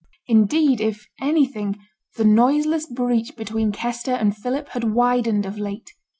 Indeed, if anything, the noiseless breach between Kester and Philip had widened of late.